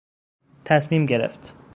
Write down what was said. تصمیم گرفت